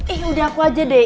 ih udah aku aja deh